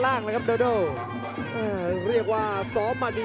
โอ้โหไม่พลาดกับธนาคมโดโด้แดงเขาสร้างแบบนี้